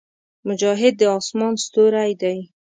مجاهد د اسمان ستوری دی.